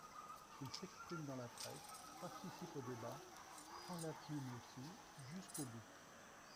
Il s'exprime dans la presse, participe aux débats, prend la plume aussi, jusqu'au bout.